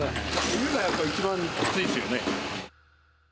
冬がやっぱり一番きついっすよね。